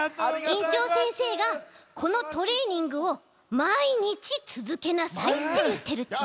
いんちょうせんせいが「このトレーニングをまいにちつづけなさい」っていってるち。